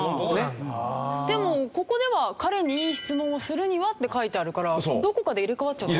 でもここでは「彼に良い質問をするには」って書いてあるからどこかで入れ替わっちゃって。